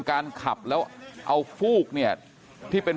กลุ่มตัวเชียงใหม่